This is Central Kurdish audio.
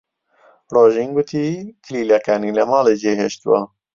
ڕۆژین گوتی کلیلەکانی لە ماڵێ جێهێشتووە.